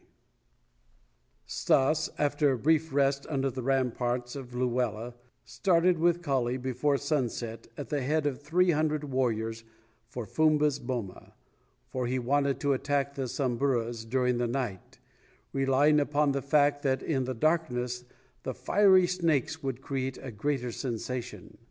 XX Stas, after a brief rest under the ramparts of Luela, started with Kali before sunset at the head of three hundred warriors for Fumba's boma, for he wanted to attack the Samburus during the night, relying upon the fact that in the darkness the fiery snakes would create a greater sensation.